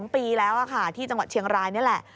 ๒ปีแล้วค่ะที่จังหวัดเชียงรายนี่แหละ